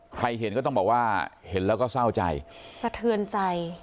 ใครเห็นก็ต้องบอกว่าเห็นแล้วก็เศร้าใจสะเทือนใจ